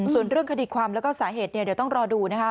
ส่วนเรื่องคดีความแล้วก็สาเหตุเนี่ยเดี๋ยวต้องรอดูนะคะ